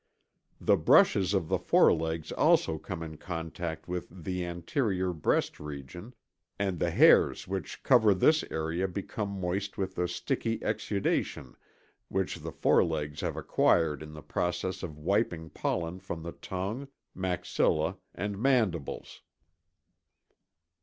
The brushes of the forelegs also come in contact with the anterior breast region, and the hairs which cover this area become moist with the sticky exudation which the forelegs have acquired in the process of wiping pollen from the tongue, maxillæ, and mandibles.